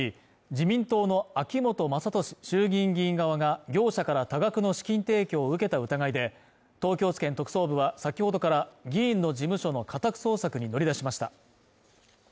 自民党の秋本真利衆議院議員側が業者から多額の資金提供を受けた疑いで東京地検特捜部は先ほどから議員の事務所の家宅捜索に乗り出しました